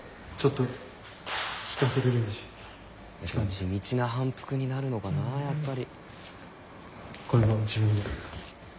地道な反復になるのかなやっぱり。